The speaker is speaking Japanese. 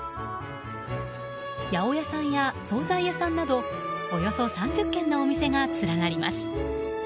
八百屋さんや総菜屋さんなどおよそ３０軒のお店が連なります。